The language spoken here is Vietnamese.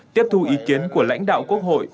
tiếp thu ý kiến của lãnh đạo quốc hội